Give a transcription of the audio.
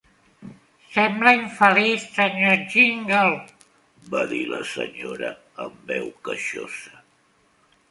"Sembla infeliç, Sr. Jingle", va dir la senyora, amb veu queixosa.